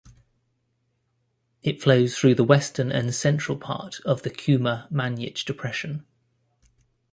It flows through the western and central part of the Kuma-Manych Depression.